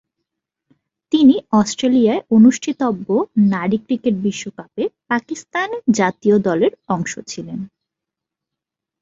তিনি অস্ট্রেলিয়ায় অনুষ্ঠিতব্য নারী ক্রিকেট বিশ্বকাপে পাকিস্তান জাতীয় দলের অংশ ছিলেন।